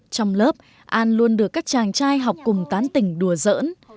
trong lớp an luôn được các chàng trai học cùng tán tỉnh đùa giỡn